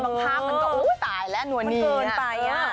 บางภาพมันก็โอ้ยตายแล้วหนัวหนีอะ